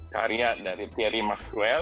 karya dari thierry maxwell